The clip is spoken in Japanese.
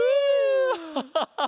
ハハハハハ！